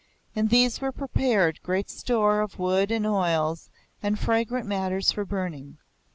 In these was prepared great store of wood and oils and fragrant matters for burning.